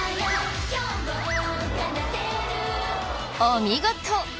お見事！